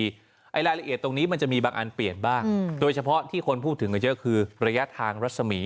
รายละเอียดตรงนี้มันจะมีบางอันเปลี่ยนบ้างโดยเฉพาะที่คนพูดถึงกันเยอะคือระยะทางรัศมี